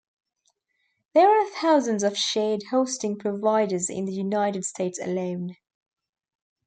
There are thousands of shared hosting providers in the United States alone.